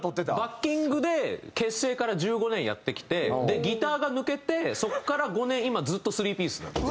バッキングで結成から１５年やってきてギターが抜けてそこから５年今ずっと３ピースなんで。